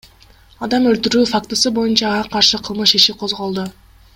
Адам өлтүрүү фактысы боюнча ага каршы кылмыш иши козголду.